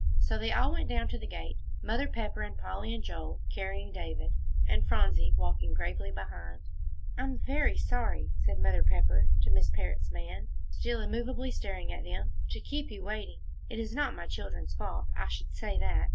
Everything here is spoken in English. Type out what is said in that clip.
So they all went down to the gate, Mother Pepper and Polly and Joel carrying David, and Phronsie walking gravely behind. "I am very sorry," said Mother Pepper to Miss Parrott's man, still immovably staring at them, "to keep you waiting. It is not my children's fault, I should say that."